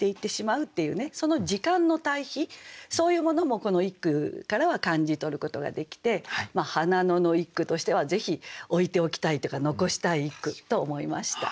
その時間の対比そういうものもこの一句からは感じ取ることができて「花野」の一句としてはぜひ置いておきたいというか残したい一句と思いました。